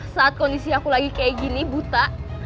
saat kondisi aku lagi kayak gini buta